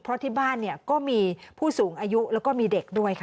เพราะที่บ้านก็มีผู้สูงอายุแล้วก็มีเด็กด้วยค่ะ